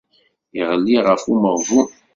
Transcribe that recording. Iɣelli ɣef umeɣbun.